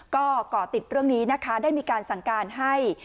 ก็ก่อติดเรื่องนี้นะคะได้มีการสั่งการให้